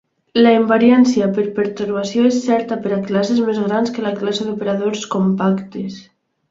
La invariància per pertorbació és certa per a classes més grans que la classe d'operadors compactes.